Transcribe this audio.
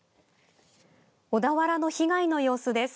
小田原の被害の様子です。